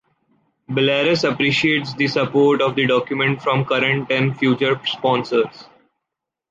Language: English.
Belarus appreciates the support of the document from current and future sponsors.